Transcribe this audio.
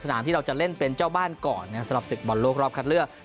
ที่เราจะเล่นเป็นเจ้าบ้านก่อนสำหรับศึกบอลโลกรอบคัดเลือก